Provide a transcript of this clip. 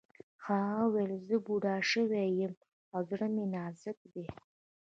هغه وویل چې زه بوډا شوی یم او زړه مې نازک دی